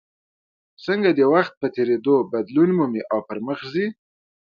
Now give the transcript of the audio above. څنګه د وخت په تېرېدو بدلون مومي او پرمخ ځي.